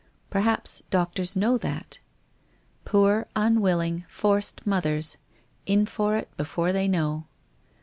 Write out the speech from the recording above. Perhaps doctors know that? Poor, unwilling, forced mothers — in for it before they know!